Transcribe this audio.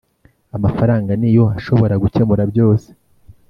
Amafaranga niyo ashobora gukemura byose\